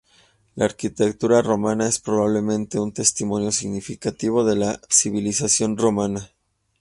La arquitectura romana es probablemente un testimonio significativo de la civilización romana.